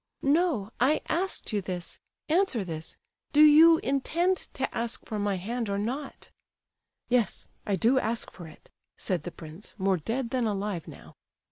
"No—I asked you this—answer this! Do you intend to ask for my hand, or not?" "Yes—I do ask for it!" said the prince, more dead than alive now.